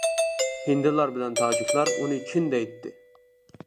ھىندىلار بىلەن تاجىكلار ئۇنى چىن دەيتتى.